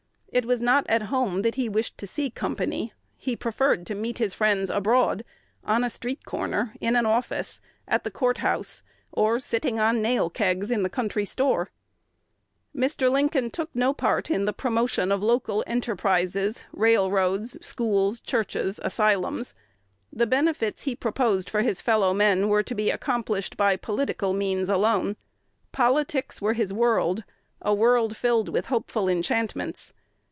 It was not at home that he wished to see company. He preferred to meet his friends abroad, on a street corner, in an office, at the Court House, or sitting on nail kegs in a country store. Mr. Lincoln took no part in the promotion of local enterprises, railroads, schools, churches, asylums. The benefits he proposed for his fellow men were to be accomplished by political means alone. Politics were his world, a world filled with hopeful enchantments.